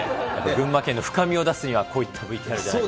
群馬県の深みを出すには、こういったＶＴＲでないと。